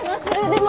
でも。